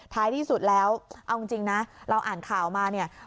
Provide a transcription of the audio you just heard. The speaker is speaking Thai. ท้ายที่สุดแล้วเอาจริงนะเราอ่านข่าวมาเนี่ย